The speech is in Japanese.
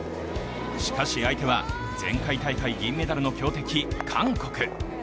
しかし相手は前回大会銀メダルの強敵・韓国。